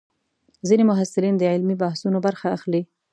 ځینې محصلین د علمي بحثونو برخه اخلي.